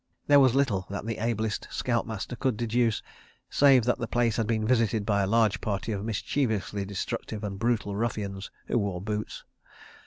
There was little that the ablest scoutmaster could deduce, save that the place had been visited by a large party of mischievously destructive and brutal ruffians, who wore boots.